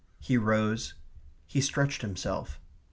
He rose. He stretched himself.